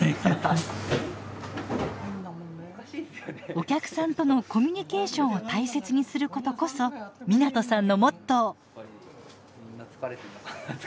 お客さんとのコミュニケーションを大切にすることこそ湊さんのモットー。